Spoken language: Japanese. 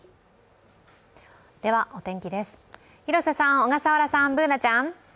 ではお天気です、広瀬さん、小笠原さん、Ｂｏｏｎａちゃん。